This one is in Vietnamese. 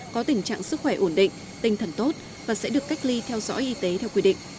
có tình trạng sức khỏe ổn định tinh thần tốt và sẽ được cách ly theo dõi y tế theo quy định